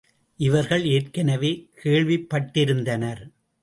இவர்கள் ஏற்கனவே கேள்விப்பட்டிருந்தனர்.